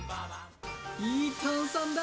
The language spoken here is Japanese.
良い炭酸だ！